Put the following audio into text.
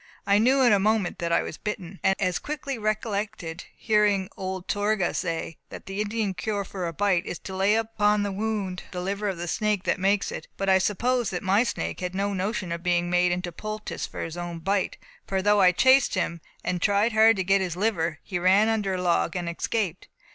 I knew in a moment that I was bitten, and as quickly recollected hearing old Torgah say, that the Indian cure for a bite is to lay upon the wound the liver of the snake that makes it. But I suppose that my snake had no notion of being made into a poultice for his own bite; for though I chased him, and tried hard to get his liver, he ran under a log and escaped.